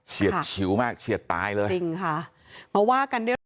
เฉียดฉิวมากเฉียดตายเลยจริงค่ะมาว่ากันเรื่อย